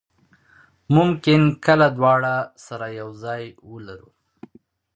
ممکن کله دواړه سره یو ځای ولرو.